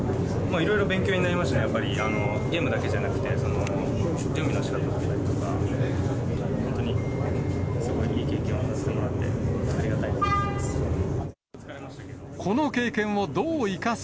いろいろ勉強になりましたね、やっぱり、ゲームだけじゃなくて、準備のしかただったりとか、本当にすごいいい経験をさせてもらって、ありがたいなと思います。